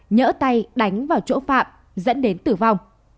nhỡ tay đánh vào chỗ phạm dẫn đến tử vong